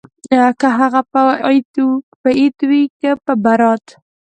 که هغه به عيد وو که ببرات.